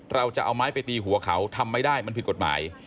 เราจะเอาไม้ไปตีหัวเขาทำไม่ได้มันผิดกฎหมาย